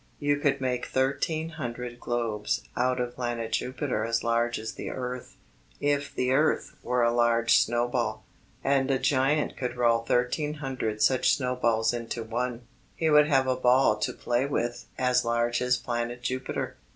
You could make thirteen hundred globes out of planet Jupiter as large as the earth. If the earth were a large snowball, and a giant could roll thirteen hundred such snowballs into one, he would have a ball to play with as large as planet Jupiter.